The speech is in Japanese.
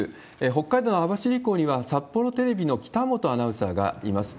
北海道の網走港には、札幌テレビの北本アナウンサーがいます。